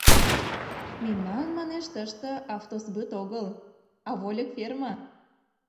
«Мемнан, — манеш, — тыште автосбыт огыл, а вольык ферме».